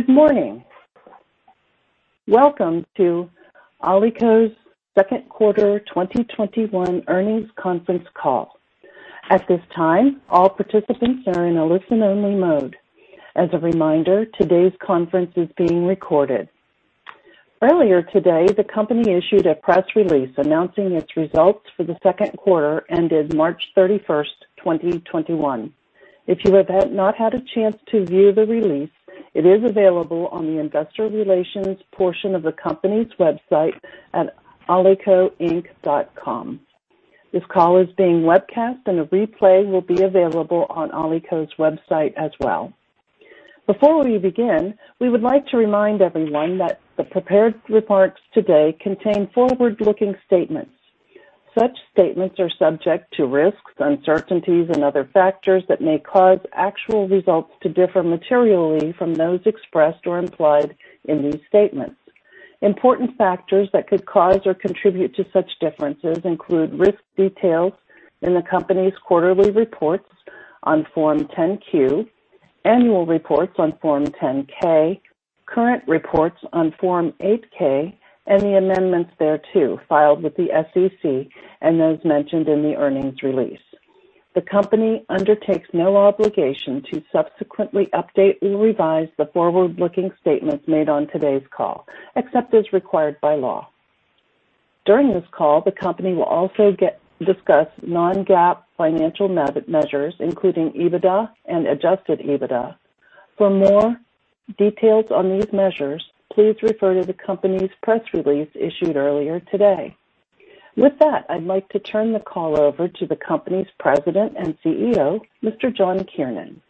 Good morning. Welcome to Alico's second quarter 2021 earnings conference call. At this time, all participants are in a listen-only mode. As a reminder, today's conference is being recorded. Earlier today, the company issued a press release announcing its results for the second quarter ended March 31st, 2021. If you have not had a chance to view the release, it is available on the investor relations portion of the company's website at alicoinc.com. This call is being webcast, and a replay will be available on Alico's website as well. Before we begin, we would like to remind everyone that the prepared reports today contain forward-looking statements. Such statements are subject to risks, uncertainties, and other factors that may cause actual results to differ materially from those expressed or implied in these statements. Important factors that could cause or contribute to such differences include risks detailed in the company's quarterly reports on Form 10-Q, annual reports on Form 10-K, current reports on Form 8-K, any amendments thereto filed with the SEC, and as mentioned in the earnings release. The company undertakes no obligation to subsequently update or revise the forward-looking statements made on today's call, except as required by law. During this call, the company will also discuss non-GAAP financial measures, including EBITDA and adjusted EBITDA. For more details on these measures, please refer to the company's press release issued earlier today. With that, I'd like to turn the call over to the company's President and CEO, Mr. John Kiernan.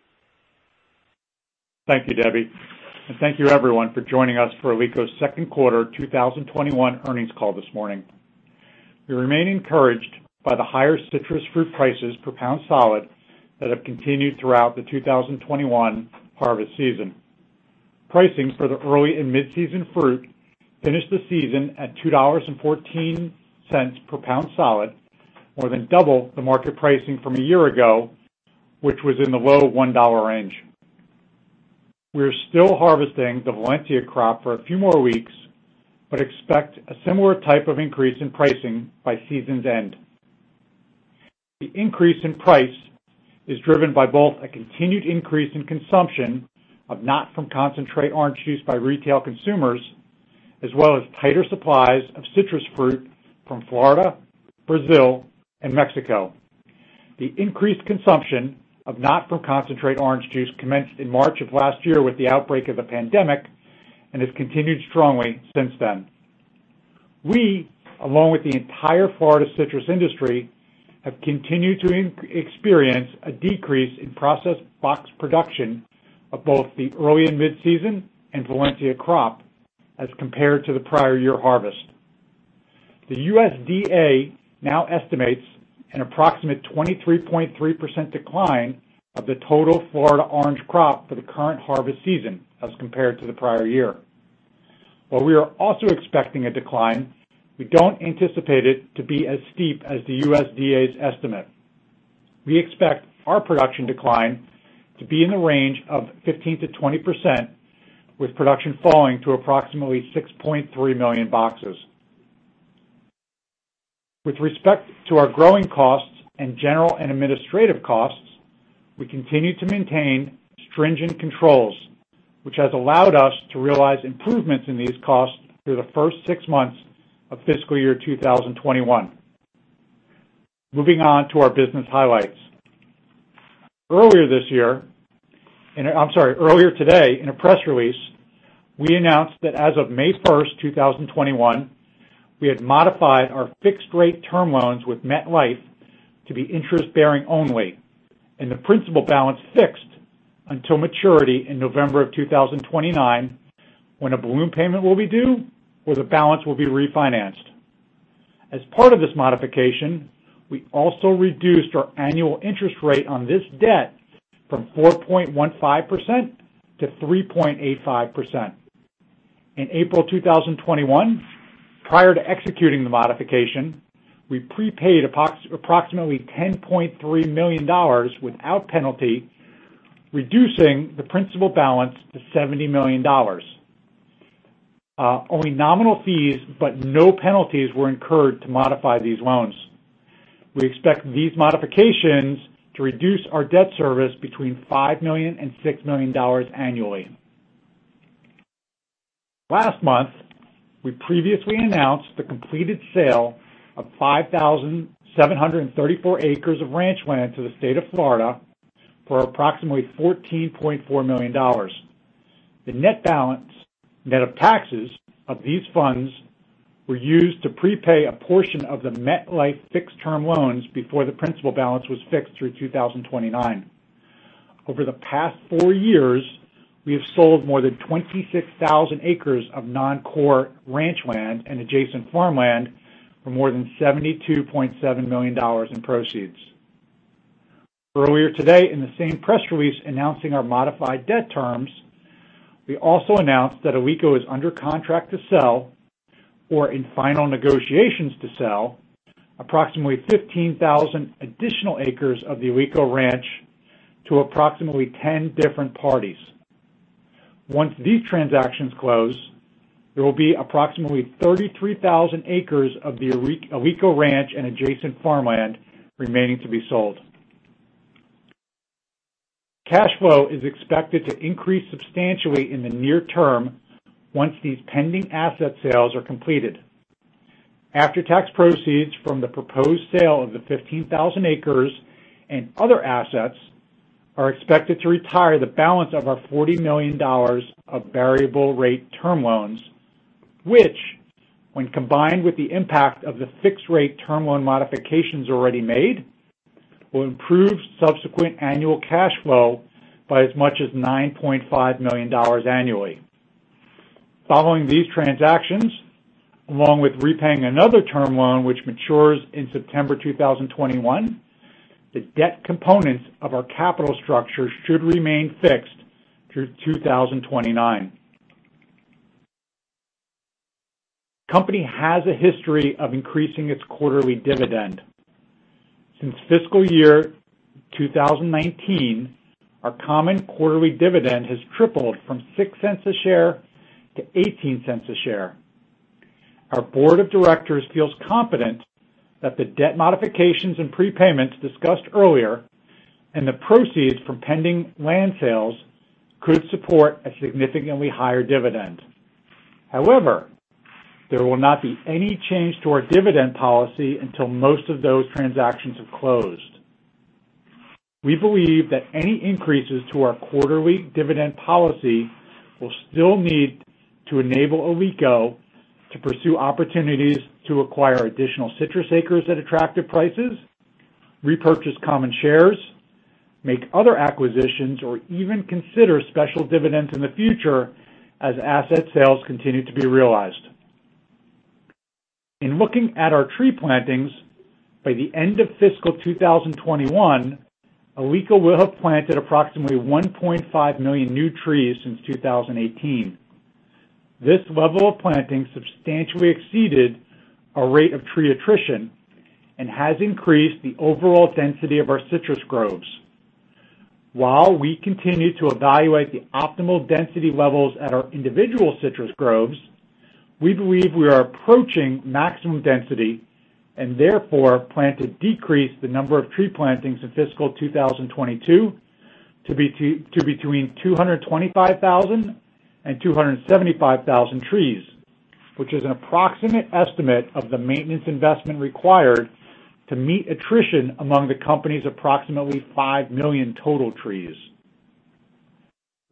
Thank you, Debbie. Thank you everyone for joining us for Alico's second quarter 2021 earnings call this morning. We remain encouraged by the higher citrus fruit prices per pound solid that have continued throughout the 2021 harvest season. Pricing for the early and mid-season fruit finished the season at $2.14 per pound solid, more than double the market pricing from a year ago, which was in the low $1 range. We're still harvesting the Valencia crop for a few more weeks, expect a similar type of increase in pricing by season's end. The increase in price is driven by both a continued increase in consumption of not from concentrate orange juice by retail consumers, as well as tighter supplies of citrus fruit from Florida, Brazil, and Mexico. The increased consumption of not from concentrate orange juice commenced in March of last year with the outbreak of the pandemic, and has continued strongly since then. We, along with the entire Florida citrus industry, have continued to experience a decrease in processed box production of both the early and mid-season and Valencia crop as compared to the prior year harvest. The USDA now estimates an approximate 23.3% decline of the total Florida orange crop for the current harvest season as compared to the prior year. While we are also expecting a decline, we don't anticipate it to be as steep as the USDA's estimate. We expect our production decline to be in the range of 15%-20%, with production falling to approximately 6.3 million boxes. With respect to our growing costs and general and administrative costs, we continue to maintain stringent controls, which has allowed us to realize improvements in these costs through the first six months of fiscal year 2021. Moving on to our business highlights. Earlier today, in a press release, we announced that as of May 1st, 2021, we had modified our fixed rate term loans with MetLife to be interest-bearing only, and the principal balance fixed until maturity in November of 2029, when a balloon payment will be due or the balance will be refinanced. As part of this modification, we also reduced our annual interest rate on this debt from 4.15% to 3.85%. In April 2021, prior to executing the modification, we prepaid approximately $10.3 million without penalty, reducing the principal balance to $70 million. Only nominal fees, but no penalties were incurred to modify these loans. We expect these modifications to reduce our debt service between $5 million and $6 million annually. Last month, we previously announced the completed sale of 5,734 acres of ranch land to the state of Florida for approximately $14.4 million. The net balance net of taxes of these funds were used to prepay a portion of the MetLife fixed term loans before the principal balance was fixed through 2029. Over the past four years, we have sold more than 26,000 acres of non-core ranch land and adjacent farmland for more than $72.7 million in proceeds. Earlier today, in the same press release announcing our modified debt terms, we also announced that Alico is under contract to sell or in final negotiations to sell approximately 15,000 additional acres of the Alico Ranch to approximately 10 different parties. Once these transactions close, there will be approximately 33,000 acres of the Alico Ranch and adjacent farmland remaining to be sold. Cash flow is expected to increase substantially in the near term once these pending asset sales are completed. After-tax proceeds from the proposed sale of the 15,000 acres and other assets are expected to retire the balance of our $40 million of variable rate term loans, which, when combined with the impact of the fixed-rate term loan modifications already made, will improve subsequent annual cash flow by as much as $9.5 million annually. Following these transactions, along with repaying another term loan which matures in September 2021, the debt components of our capital structure should remain fixed through 2029. The Company has a history of increasing its quarterly dividend. Since fiscal year 2019, our common quarterly dividend has tripled from $0.06 a share to $0.18 a share. Our board of directors feels confident that the debt modifications and prepayments discussed earlier and the proceeds from pending land sales could support a significantly higher dividend. There will not be any change to our dividend policy until most of those transactions have closed. We believe that any increases to our quarterly dividend policy will still need to enable Alico to pursue opportunities to acquire additional citrus acres at attractive prices, repurchase common shares, make other acquisitions, or even consider special dividends in the future as asset sales continue to be realized. In looking at our tree plantings, by the end of fiscal 2021, Alico will have planted approximately 1.5 million new trees since 2018. This level of planting substantially exceeded our rate of tree attrition and has increased the overall density of our citrus groves. While we continue to evaluate the optimal density levels at our individual citrus groves, we believe we are approaching maximum density and therefore plan to decrease the number of tree plantings in fiscal 2022 to between 225,000 and 275,000 trees, which is an approximate estimate of the maintenance investment required to meet attrition among the company's approximately 5 million total trees. However,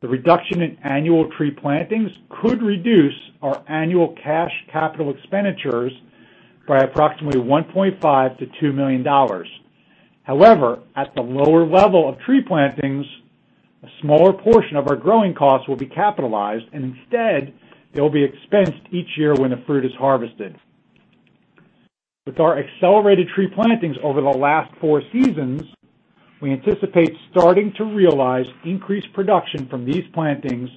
the reduction in annual tree plantings could reduce our annual cash capital expenditures by approximately $1.5 million-$2 million. At the lower level of tree plantings, a smaller portion of our growing costs will be capitalized, and instead, they'll be expensed each year when the fruit is harvested. With our accelerated tree plantings over the last four seasons, we anticipate starting to realize increased production from these plantings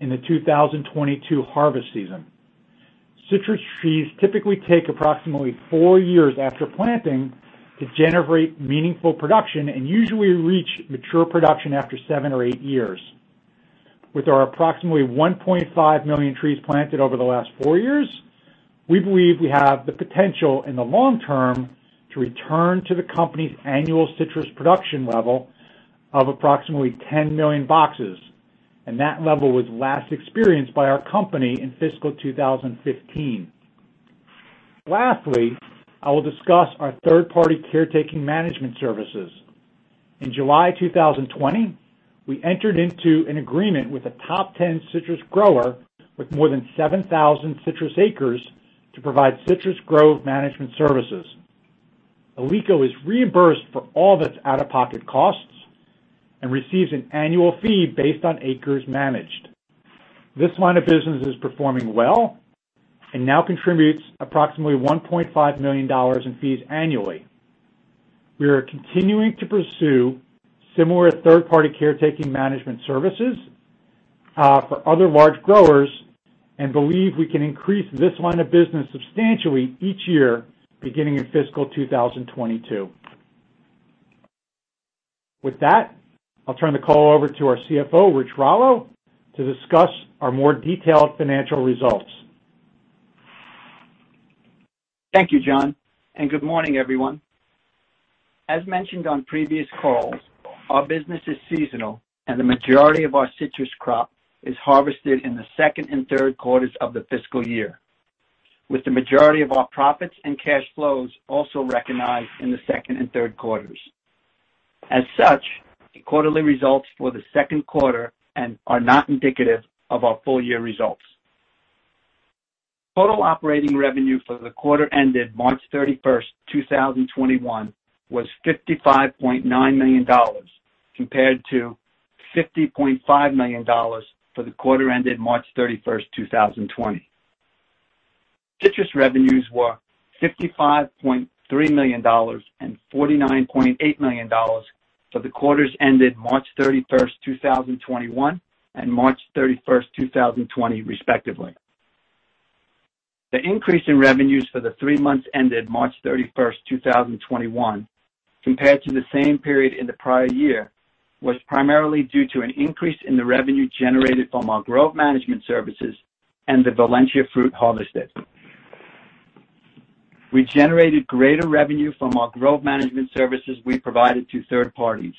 in the 2022 harvest season. Citrus trees typically take approximately four years after planting to generate meaningful production and usually reach mature production after seven or eight years. With our approximately 1.5 million trees planted over the last four years, we believe we have the potential in the long term to return to the company's annual citrus production level of approximately 10 million boxes, and that level was last experienced by our company in fiscal 2015. Lastly, I will discuss our third-party caretaking management services. In July 2020, we entered into an agreement with a top 10 citrus grower with more than 7,000 citrus acres to provide citrus grove management services. Alico is reimbursed for all of its out-of-pocket costs and receives an annual fee based on acres managed. This line of business is performing well and now contributes approximately $1.5 million in fees annually. We are continuing to pursue similar third-party caretaking management services for other large growers and believe we can increase this line of business substantially each year, beginning in fiscal 2022. With that, I'll turn the call over to our CFO, Richard Rallo, to discuss our more detailed financial results. Thank you, John, and good morning, everyone. As mentioned on previous calls, our business is seasonal and the majority of our citrus crop is harvested in the second and third quarters of the fiscal year, with the majority of our profits and cash flows also recognized in the second and third quarters. As such, the quarterly results for the second quarter are not indicative of our full year results. Total operating revenue for the quarter ended March 31st, 2021, was $55.9 million, compared to $50.5 million for the quarter ended March 31st, 2020. Citrus revenues were $55.3 million and $49.8 million for the quarters ended March 31st, 2021, and March 31st, 2020, respectively. The increase in revenues for the three months ended March 31st, 2021, compared to the same period in the prior year, was primarily due to an increase in the revenue generated from our growth management services and the Valencia fruit harvested. We generated greater revenue from our grove management services we provided to third parties.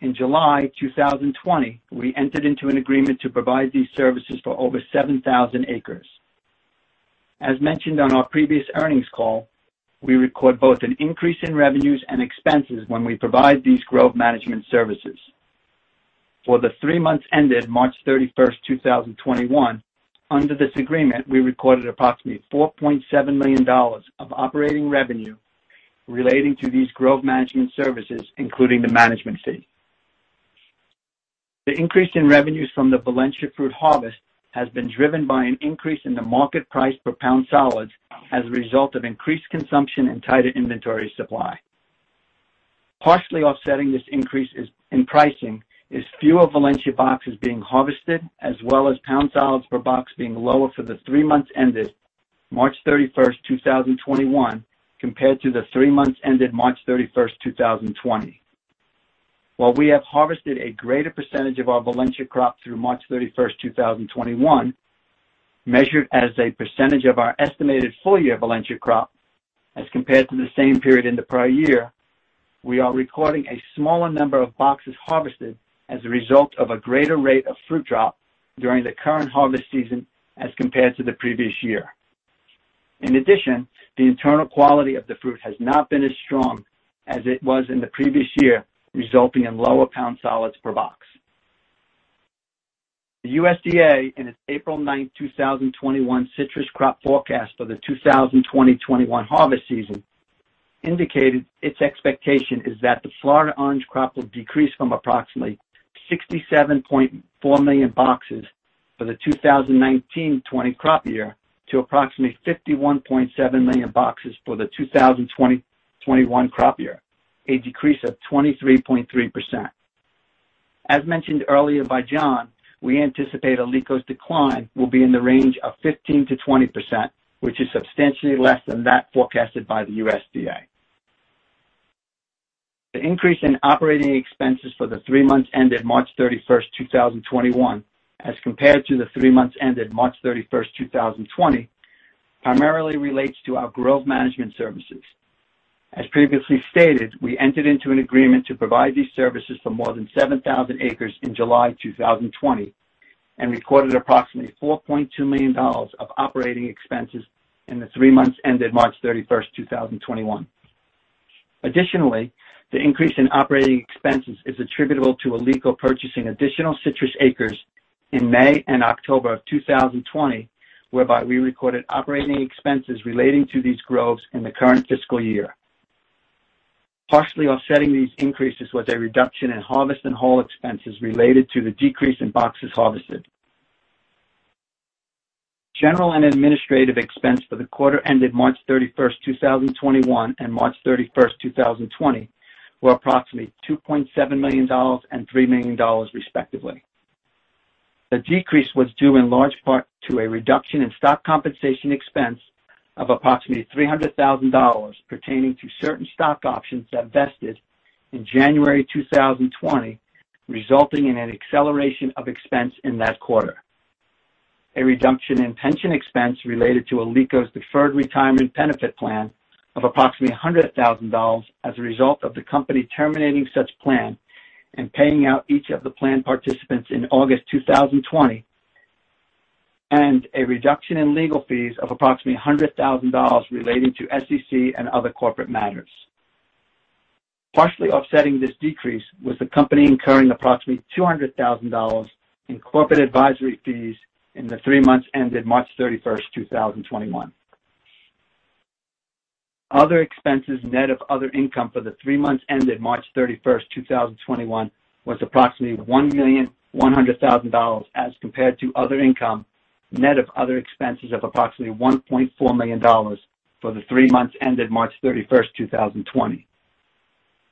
In July 2020, we entered into an agreement to provide these services for over 7,000 acres. As mentioned on our previous earnings call, we record both an increase in revenues and expenses when we provide these grove management services. For the three months ended March 31st, 2021, under this agreement, we recorded approximately $4.7 million of operating revenue relating to these grove management services, including the management fee. The increase in revenues from the Valencia fruit harvest has been driven by an increase in the market price per pound solids as a result of increased consumption and tighter inventory supply. Partially offsetting this increase in pricing is fewer Valencia boxes being harvested, as well as pound solids per box being lower for the three months ended March 31st, 2021, compared to the three months ended March 31st, 2020. While we have harvested a greater percentage of our Valencia crop through March 31st, 2021, measured as a percentage of our estimated full year Valencia crop as compared to the same period in the prior year, we are recording a smaller number of boxes harvested as a result of a greater rate of fruit drop during the current harvest season as compared to the previous year. In addition, the internal quality of the fruit has not been as strong as it was in the previous year, resulting in lower pound solid per box. The USDA, in its April 9th, 2021, citrus crop forecast for the 2020-21 harvest season, indicated its expectation is that the Florida orange crop will decrease from approximately 67.4 million boxes for the 2019-20 crop year to approximately 51.7 million boxes for the 2020-21 crop year. A decrease of 23.3%. As mentioned earlier by John, we anticipate Alico's decline will be in the range of 15%-20%, which is substantially less than that forecasted by the USDA. The increase in operating expenses for the three months ended March 31st, 2021, as compared to the three months ended March 31st, 2020, primarily relates to our growth management services. As previously stated, we entered into an agreement to provide these services for more than 7,000 acres in July 2020 and recorded approximately $4.2 million of operating expenses in the three months ended March 31st, 2021. Additionally, the increase in operating expenses is attributable to Alico purchasing additional citrus acres in May and October of 2020, whereby we recorded operating expenses relating to these groves in the current fiscal year. Partially offsetting these increases was a reduction in harvest and haul expenses related to the decrease in boxes harvested. General and administrative expense for the quarter ended March 31st, 2021, and March 31st, 2020, were approximately $2.7 million and $3 million, respectively. The decrease was due in large part to a reduction in stock compensation expense of approximately $300,000 pertaining to certain stock options that vested in January 2020, resulting in an acceleration of expense in that quarter. A reduction in pension expense related to Alico's deferred retirement benefit plan of approximately $100,000 as a result of the company terminating such plan and paying out each of the plan participants in August 2020, and a reduction in legal fees of approximately $100,000 relating to SEC and other corporate matters. Partially offsetting this decrease was the company incurring approximately $200,000 in corporate advisory fees in the three months ended March 31st, 2021. Other expenses, net of other income for the three months ended March 31st, 2021, was approximately $1,100,000 as compared to other income net of other expenses of approximately $1.4 million for the three months ended March 31st, 2020.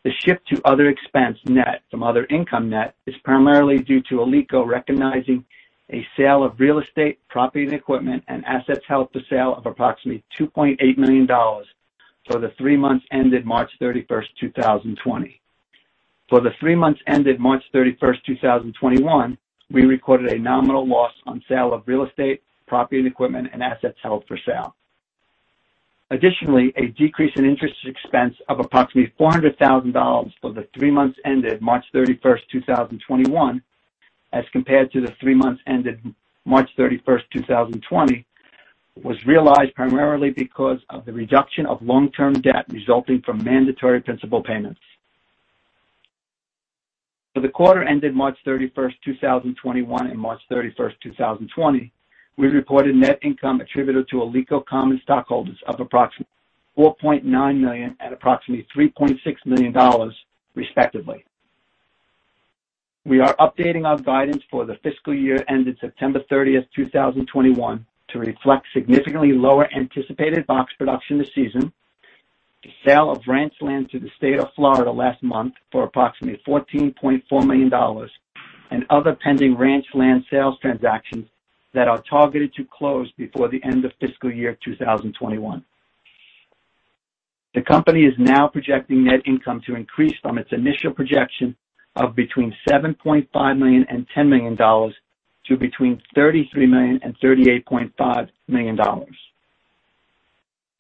The shift to other expense net from other income net is primarily due to Alico recognizing a sale of real estate, property and equipment, and assets held for sale of approximately $2.8 million for the three months ended March 31st, 2020. For the three months ended March 31st, 2021, we recorded a nominal loss on sale of real estate, property and equipment, and assets held for sale. Additionally, a decrease in interest expense of approximately $400,000 for the three months ended March 31st, 2021, as compared to the three months ended March 31st, 2020, was realized primarily because of the reduction of long-term debt resulting from mandatory principal payments. For the quarter ended March 31st, 2021, and March 31st, 2020, we recorded net income attributed to Alico common stockholders of approximately $4.9 million at approximately $3.6 million, respectively. We are updating our guidance for the fiscal year ending September 30th, 2021 to reflect significantly lower anticipated box production this season, the sale of ranch land to the state of Florida last month for approximately $14.4 million, and other pending ranch land sales transactions that are targeted to close before the end of fiscal year 2021. The company is now projecting net income to increase from its initial projection of between $7.5 million and $10 million to between $33 million and $38.5 million.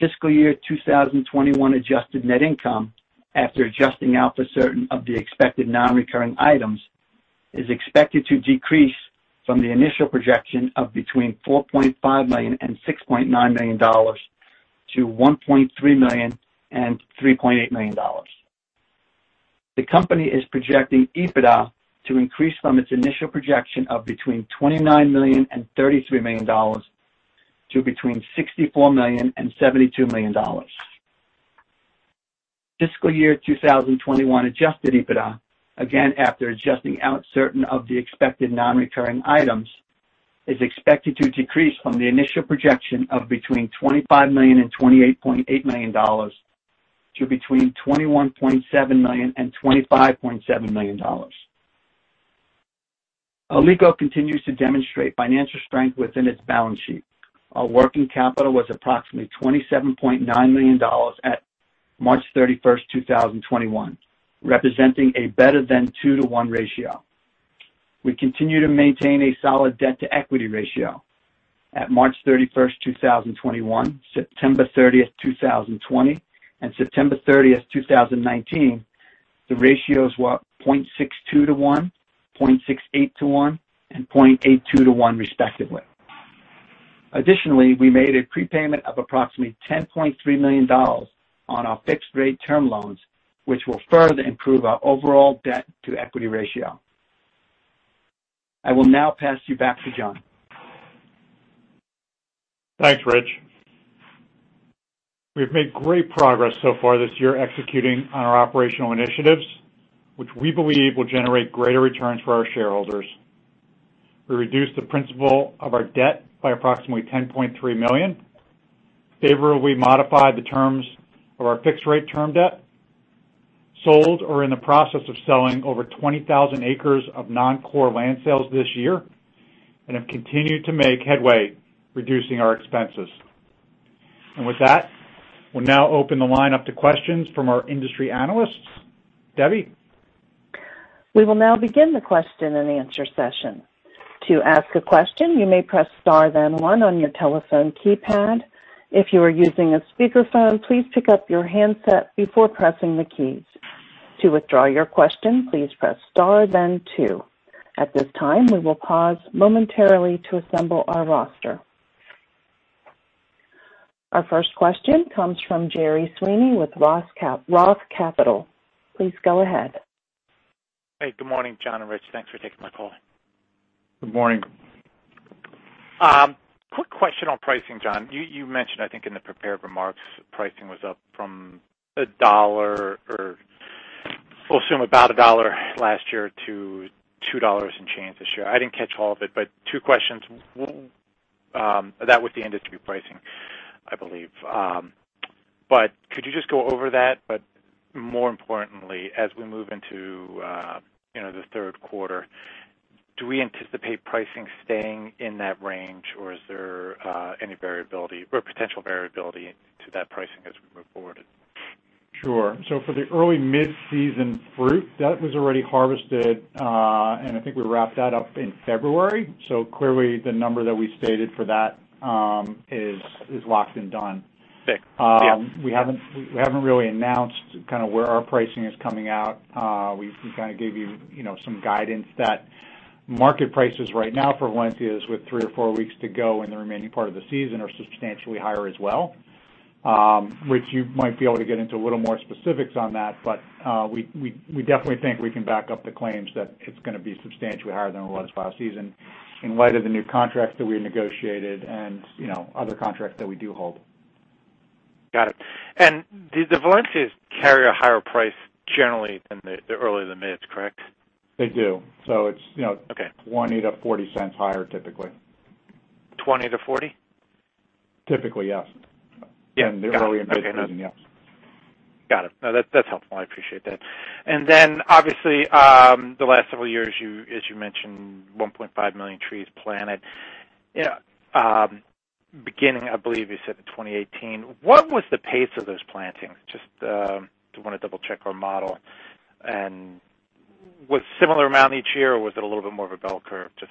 Fiscal year 2021 adjusted net income, after adjusting out for certain of the expected non-recurring items, is expected to decrease from the initial projection of between $4.5 million and $6.9 million to $1.3 million-$3.8 million. The company is projecting EBITDA to increase from its initial projection of between $29 million and $33 million to between $64 million and $72 million. fiscal year 2021 adjusted EBITDA, again, after adjusting out certain of the expected non-recurring items, is expected to decrease from the initial projection of between $25 million and $28.8 million to between $21.7 million and $25.7 million. Alico continues to demonstrate financial strength within its balance sheet. Our working capital was approximately $27.9 million at March 31st, 2021, representing a better than two to one ratio. We continue to maintain a solid debt-to-equity ratio. At March 31st, 2021, September 30th, 2020, and September 30th, 2019, the ratios were 0.62:1, 0.68:1, and 0.82:1 respectively. Additionally, we made a prepayment of approximately $10.3 million on our fixed rate term loans, which will further improve our overall debt to equity ratio. I will now pass you back to John. Thanks, Rich. We've made great progress so far this year executing on our operational initiatives, which we believe will generate greater returns for our shareholders. We reduced the principal of our debt by approximately $10.3 million, favorably modified the terms of our fixed-rate term debt, sold or are in the process of selling over 20,000 acres of non-core land sales this year, and have continued to make headway reducing our expenses. With that, we'll now open the line up to questions from our industry analysts. Debbie? We will now begin the question and answer session. To ask a question, you may press star then one on your telephone keypad. If you are using a speakerphone, please pick up your handset before pressing the keys. To withdraw your question, please press star then two. At this time, we will pause momentarily to assemble our roster. Our first question comes from Gerry Sweeney with Roth Capital Partners. Please go ahead. Hey, good morning, John and Rich. Thanks for taking my call. Good morning. Quick question on pricing, John. You mentioned, I think in the prepared remarks, pricing was up from $1 or we'll assume about $1 last year to $2 and change this year. I didn't catch all of it, two questions. That was the industry pricing, I believe. Could you just go over that? More importantly, as we move into the third quarter, do we anticipate pricing staying in that range, or is there any variability or potential variability to that pricing as we move forward? Sure. For the early mid-season fruit, that was already harvested, and I think we wrapped that up in February. Clearly the number that we stated for that is locked and done. Fixed. Yeah. We haven't really announced where our pricing is coming out. We kind of gave you some guidance that market prices right now for Valencias with three or four weeks to go in the remaining part of the season are substantially higher as well, Rich, you might be able to get into a little more specifics on that, but we definitely think we can back up the claims that it's going to be substantially higher than it was last season in light of the new contracts that we negotiated and other contracts that we do hold. Got it. The Valencias carry a higher price generally than the early to mids, correct? They do. Okay $0.20-$0.40 higher typically. $0.20 to $0.40? Typically, yes. Yeah. Got it. Okay. In the early and mid season, yes. Got it. No, that's helpful. I appreciate that. Obviously, the last several years, as you mentioned, 1.5 million trees planted. Beginning, I believe you said in 2018. What was the pace of those plantings? Just want to double check our model. Was similar amount each year or was it a little bit more of a bell curve? Just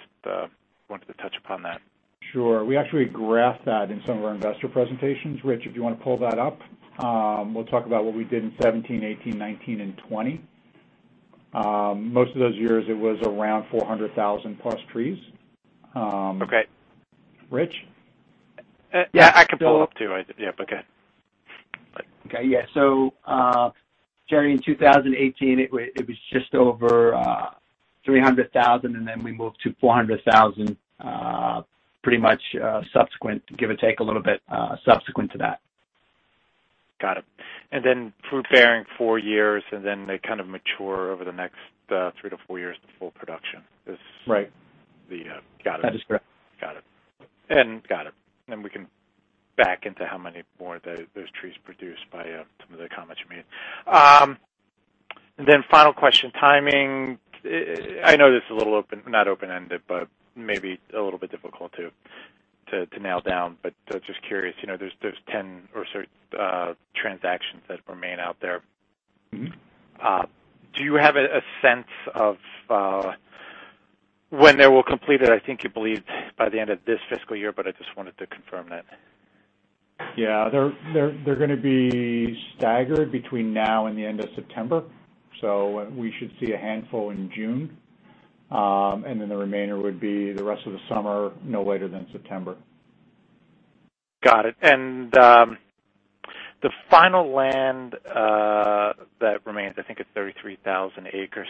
wanted to touch upon that. Sure. We actually graphed that in some of our investor presentations. Rich, if you want to pull that up? We'll talk about what we did in 2017, 2018, 2019, and 2020. Most of those years it was around 400,000 plus trees. Okay. Rich? Yeah, I can pull up too. Yep, okay. Okay, yeah. Gerry, in 2018 it was just over 300,000, and then we moved to 400,000 pretty much subsequent, give or take a little bit, subsequent to that. Then fruit bearing four years, and then they kind of mature over the next three to four years to full production. Right. Got it. That is correct. Got it. Got it. We can back into how many more those trees produce by some of the comments you made. Final question, timing. I know this is a little open, not open-ended, but maybe a little bit difficult to nail down. Just curious, there's 10 or so transactions that remain out there. Do you have a sense of when they will complete it? I think you believed by the end of this fiscal year, but I just wanted to confirm that. Yeah. They're going to be staggered between now and the end of September. We should see a handful in June. The remainder would be the rest of the summer, no later than September. Got it. The final land that remains, I think it's 33,000 acres.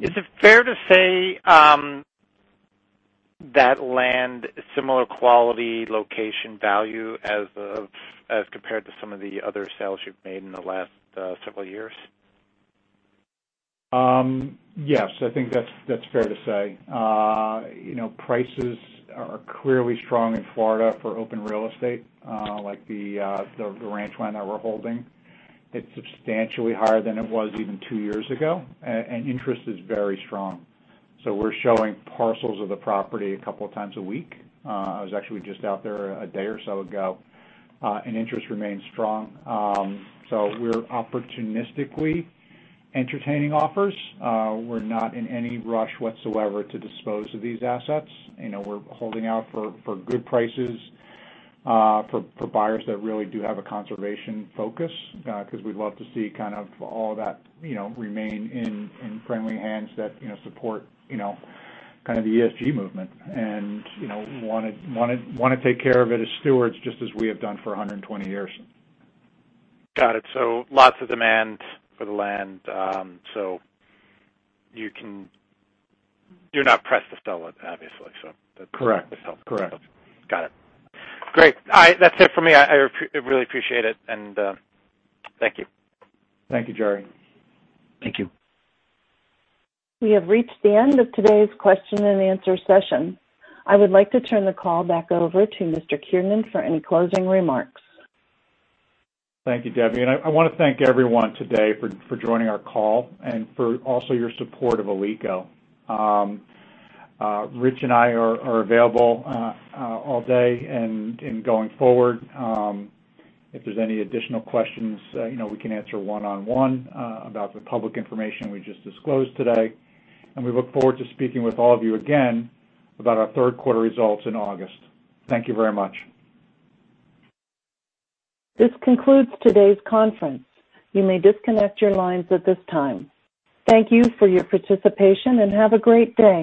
Is it fair to say that land, similar quality, location, value as compared to some of the other sales you've made in the last several years? Yes, I think that's fair to say. Prices are clearly strong in Florida for open real estate, like the ranch land that we're holding. It's substantially higher than it was even two years ago. Interest is very strong. We're showing parcels of the property a couple of times a week. I was actually just out there a day or so ago. Interest remains strong. We're opportunistically entertaining offers. We're not in any rush whatsoever to dispose of these assets. We're holding out for good prices for buyers that really do have a conservation focus, because we'd love to see all that remain in friendly hands that support the ESG movement. Want to take care of it as stewards, just as we have done for 120 years. Got it. Lots of demand for the land. You're not pressed to sell it, obviously. Correct. Got it. Great. All right. That's it for me. I really appreciate it, and thank you. Thank you, Gerry. Thank you. We have reached the end of today's question and answer session. I would like to turn the call back over to Mr. Kiernan for any closing remarks. Thank you, Debbie. I want to thank everyone today for joining our call and for also your support of Alico. Rich and I are available all day and going forward. If there's any additional questions, we can answer one-on-one about the public information we just disclosed today. We look forward to speaking with all of you again about our third quarter results in August. Thank you very much. This concludes today's conference. You may disconnect your lines at this time. Thank you for your participation, and have a great day.